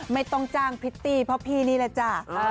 ไม่ต้องจ้างพริตตี้เพราะพี่นี่แหละจ้ะ